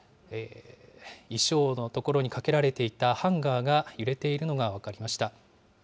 衣装の所にかけられていたハンガーが、揺れているのが分かりました。